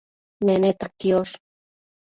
Meneta quiosh